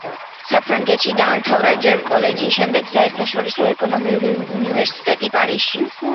საფრანგეთში დაამთავრა ჯერ კოლეჯი, შემდეგ საერთაშორისო ეკონომიკური უნივერსიტეტი პარიზში.